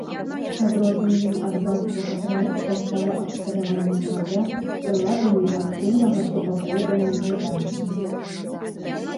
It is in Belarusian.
Адрозненнем ад базавага праекта стала абсталяванне карабля прыладамі актыўнага супакойвання гайданкі.